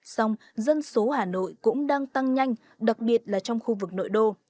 xong dân số hà nội cũng đang tăng nhanh đặc biệt là trong khu vực nội đô